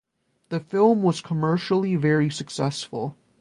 The film was commercially very successful.